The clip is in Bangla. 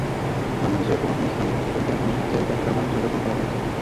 বাংলাদেশের কোনো কোনো স্থানে হিন্দু বাড়িতে আক্রমণ হয়েছে, ব্যবসা-বাণিজ্য দখল করা হয়েছে।